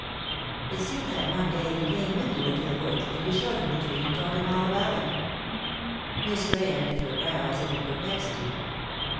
It seems that one day he came with you into the woods, and you showed him the tree, and told him all about it." Miss Grahame knit her brow, as if in perplexity.